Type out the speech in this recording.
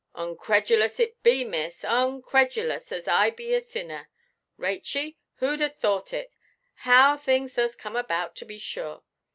"Oncredulous it be, miss; oncredulous, as I be a sinner. Rachey, whoʼd ha' thought it? How things does come about, to be sure!